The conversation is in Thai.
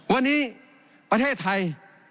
วันนี้ประเทศไทย